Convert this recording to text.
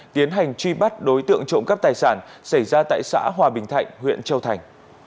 tiến hành truy bắt đối tượng trộm cắp tài sản xảy ra tại xã hòa bình thạnh huyện châu thành